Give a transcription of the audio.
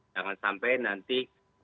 jangan sampai nanti